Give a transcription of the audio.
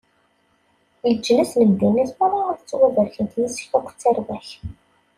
Leǧnas n ddunit meṛṛa ad ttubarken yis-k akked tarwa-k.